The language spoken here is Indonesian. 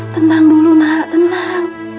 tenang dulu nak tenang